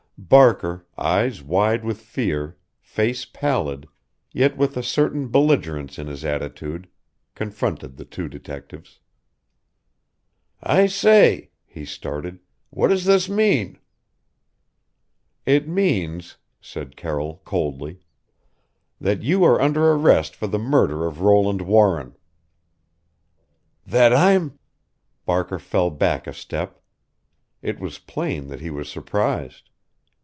Barker, eyes wide with fear, face pallid yet with a certain belligerence in his attitude confronted the two detectives. "I say " he started, "what does this mean?" "It means," said Carroll coldly, "that you are under arrest for the murder of Roland Warren!" "That I'm " Barker fell back a step. It was plain that he was surprised.